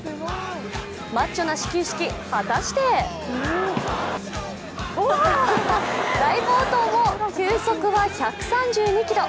マッチョな始球式、果たして大暴投も球速は１３２キロ。